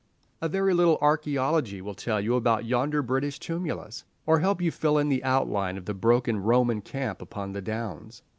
A very little archaeology will tell you all about yonder British tumulus, or help you to fill in the outline of the broken Roman camp upon the downs.